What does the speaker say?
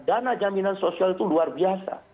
dana jaminan sosial itu luar biasa